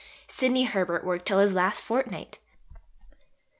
Sidney Herbert worked till his last fortnight.